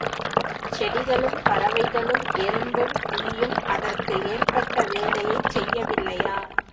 செடிகளும், பறவைகளும், எறும்பும், ஈயும் அதற்கு ஏற்பட்ட வேலையைச் செய்யவில்லையா?